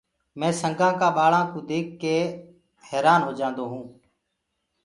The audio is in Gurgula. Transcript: مي سنگآ ڪآ ٻآݪآ ڪوُ ديک ڪي حيرآن هوجآندو هونٚ۔